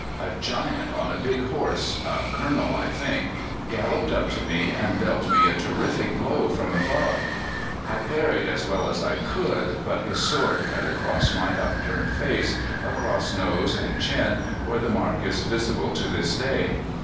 A giant on a big horse a Colonel, I think galloped up to me and dealt me a terrific blow from above. I parried as well as I could, but his sword cut across my upturned face, across nose and chin, where the mark is visible to this day.